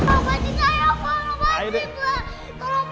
bantik aja pak bantik